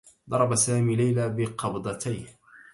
ضرب سامي ليلى بقبضتيه.